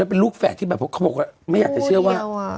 เป็นลูกแฝดที่แบบเขาบอกว่าไม่อยากจะเชื่อว่า